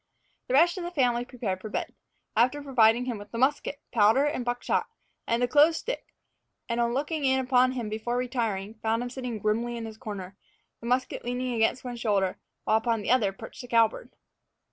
The rest of the family prepared for bed, after providing him with the musket, powder and buck shot, and the clothes stick; and on looking in upon him before retiring, found him sitting grimly in his corner, the musket leaning against one shoulder, while upon the other perched the cowbird.